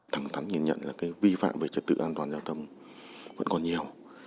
thắng thắng nhìn nhận là vi phạm về trật tự an toàn giao thông vẫn còn nhiều